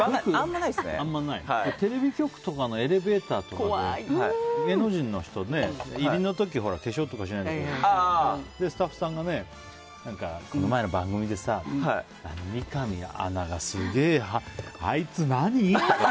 テレビ局とかのエレベーターとかで芸能人の人、入りの時化粧とかしないからスタッフさんがこの前の番組でさ、三上アナがすげえあいつ何？とか。